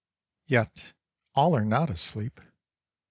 Yet all are not asleep.